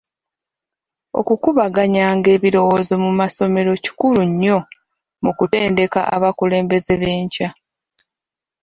Okukubaganyanga ebirowoozo mu masomero kikulu nnyo mu kutendeka abakulembeze b'enkya.